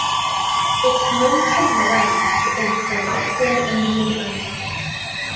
Its native range is the Western Indian Ocean.